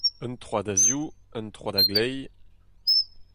Un troad a-zehoù, un troad a-gleiz.